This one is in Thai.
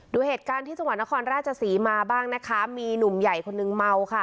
ดูเหตุการณ์ที่จังหวัดนครราชศรีมาบ้างนะคะมีหนุ่มใหญ่คนนึงเมาค่ะ